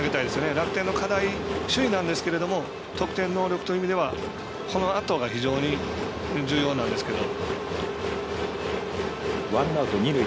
楽天の課題、首位なんですけど得点能力という意味ではこのあとが非常に重要なんですけど。